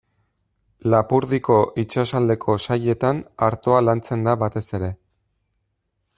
Lapurdiko itsasaldeko sailetan artoa lantzen da batez ere.